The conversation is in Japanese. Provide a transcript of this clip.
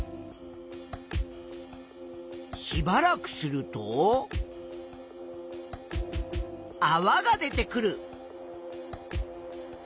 しばらくするとあわが出てくる。